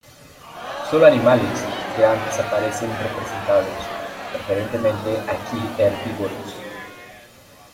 Solo animales grandes aparecen representados, preferentemente aquí herbívoros.